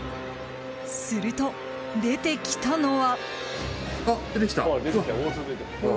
すると出てきたのは。